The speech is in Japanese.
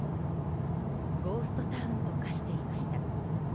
ゴーストタウンと化していました。